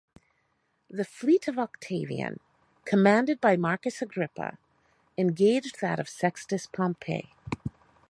The fleet of Octavian, commanded by Marcus Agrippa, engaged that of Sextus Pompey.